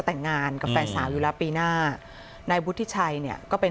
แต่งงานกับแฟนสาวอยู่แล้วปีหน้านายวุฒิชัยเนี่ยก็เป็น